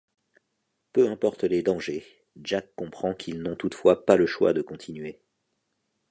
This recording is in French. Peu importe les dangers, Jak comprend qu'ils n'ont toutefois pas le choix de continuer.